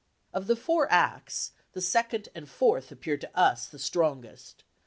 Of the four acts, the second and fourth appear to us the strongest